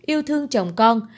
yêu thương chồng con